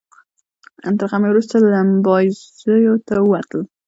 تر غرمې وروسته لمباځیو ته ووتلو.